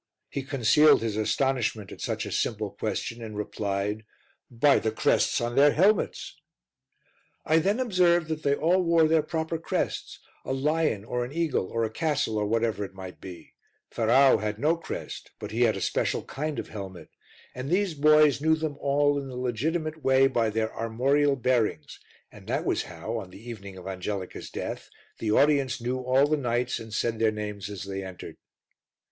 He concealed his astonishment at such a simple question and replied "By the crests on their helmets." I then observed that they all wore their proper crests, a lion or an eagle, or a castle, or whatever it might be; Ferrau had no crest, but he had a special kind of helmet, and these boys knew them all in the legitimate way by their armorial bearings, and that was how, on the evening of Angelica's death, the audience knew all the knights and said their names as they entered.